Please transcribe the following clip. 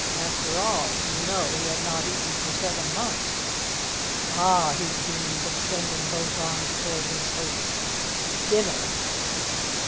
After all, you know he had not eaten for seven months. "Ah!" he beamed, extending both arms toward his host, "DINNER!"